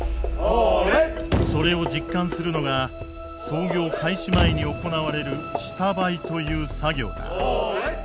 それを実感するのが操業開始前に行われる下灰という作業だ。